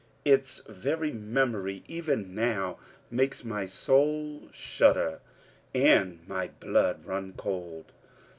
Its very memory, even now, makes my soul shudder, and my blood run cold.